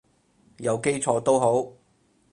有基礎都好